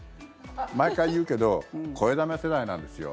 毎回言うけど肥だめ世代なんですよ。